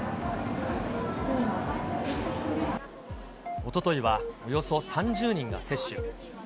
おとといはおよそ３０人が接種。